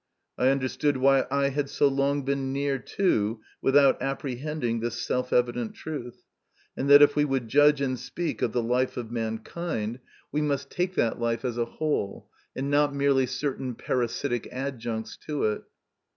I understood why I had so long been near to, without apprehending, this self evident truth, and that if we would judge and speak of the life of mankind, we must take that life 104 MY CONFESSION. as a whole, and not merely certain parasitic adjuncts to it.